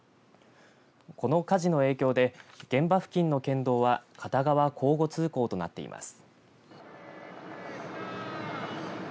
この火事の影響で現場付近の県道は片側交互通行となっています。